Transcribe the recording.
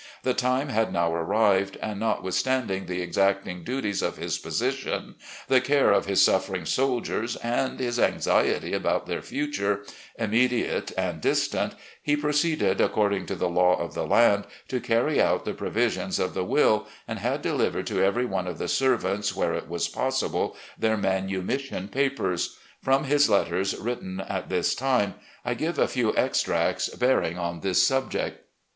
The time had now arrived, and, notwithstanding the exacting duties of his position, the care of his suffering soldiers, and his anxiety about their future, immediate and distant, he proceeded according to the law of the land to carry out the pro visions of the will, and had delivered to every one of the servants, where it was possible, their manumission papers. From his letters written at this time I give a few extracts bearing on this subject : 90 RECOLLECTIONS OP GENERAL LEE